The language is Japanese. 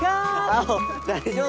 青大丈夫？